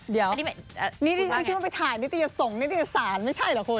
เดี๋ยวนี่ที่ฉันคิดว่าไปถ่ายนี่ตัวอย่างส่องนี่ตัวอย่างสารไม่ใช่เหรอคน